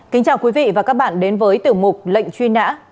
kính chào quý vị và các bạn đến với tiểu mục lệnh truy nã